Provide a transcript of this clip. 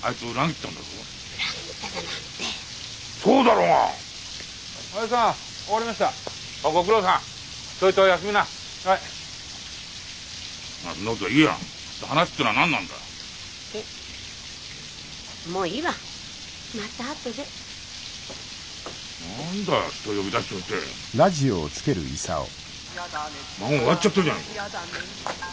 ったらやだね「孫」終わっちゃったじゃねえか！